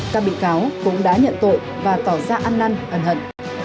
các bị cáo cũng đã nhận tội và tỏ ra ăn năn ẩn hận